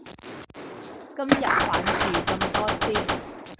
今日玩住咁多先